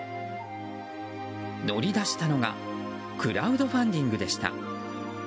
乗り出したのがクラウドファンディングでした。